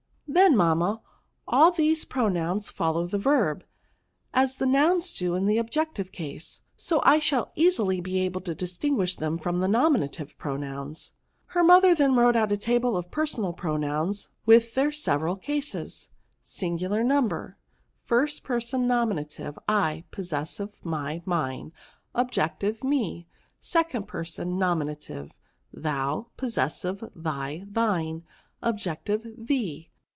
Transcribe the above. Then, mamma, all these pro nouns follow the verb, as the nouns do in the objective case ; so I shall easily be able to distinguish them from the nominative pronouns." Her mother then wrote out a table of the personal pronouns, with their several cases. SINGULAR NUMBER. Nominative* Possessive* Objective' 1st Person. I. My, Mine. Me. 2d Penan. Thou. Thy, Thine. Thee.